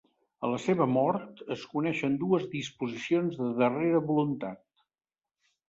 A la seva mort, es coneixen dues disposicions de darrera voluntat.